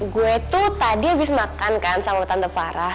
gue tuh tadi abis makan kan sama tante farah